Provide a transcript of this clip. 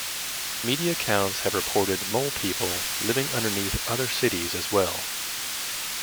Media accounts have reported "mole people" living underneath other cities as well.